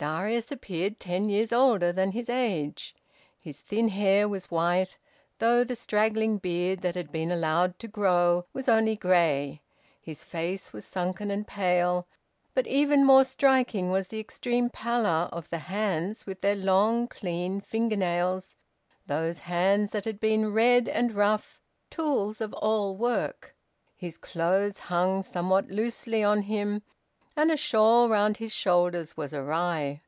Darius appeared ten years older than his age. His thin hair was white, though the straggling beard that had been allowed to grow was only grey. His face was sunken and pale, but even more striking was the extreme pallor of the hands with their long clean fingernails, those hands that had been red and rough, tools of all work. His clothes hung somewhat loosely on him, and a shawl round his shoulders was awry.